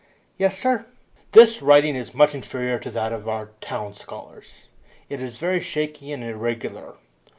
"Yes, sir." "This writing is much inferior to that of town scholars. It is very shaky and irregular.